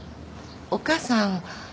お母さん